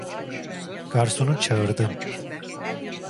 Garsonu çağırdım.